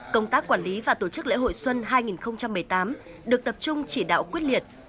công tác quản lý và tổ chức lễ hội xuân hai nghìn một mươi tám được tập trung chỉ đạo quyết liệt